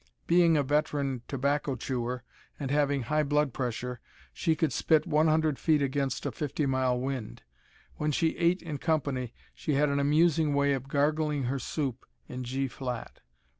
Being a veteran tobacco chewer and having high blood pressure she could spit one hundred feet against a fifty mile wind. When she ate in company, she had an amusing way of gargling her soup in G flat.